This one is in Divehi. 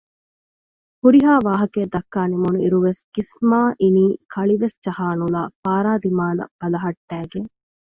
ހުރިހާ ވާހަކައެއް ދައްކާ ނިމުނު އިރުވެސް ގިސްމާ އިނީ ކަޅިވެސް ޖަހާ ނުލާ ފާރާ ދިމާލަށް ބަލަހައްޓައިގެން